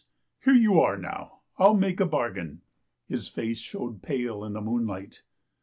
Here you are now. I'll make a bargain." His face showed pale in the moonlight.